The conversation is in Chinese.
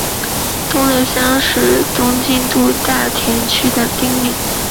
东六乡是东京都大田区的町名。